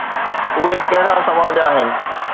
اهي ڪهڙا سماج آهن؟